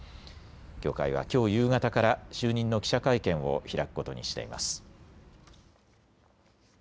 協会はきょう夕方から就任の記者会見を開くことにしています。